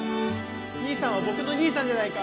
兄さんは僕の兄さんじゃないか！